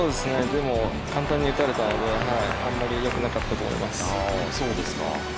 でも、簡単に打たれたのであまりよくなかったと思います。